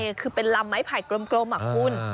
ใช่คือเป็นลำไม้พายกลมอ่ะคุณ